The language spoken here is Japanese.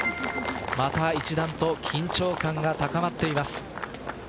また一段と緊張感が高まっています。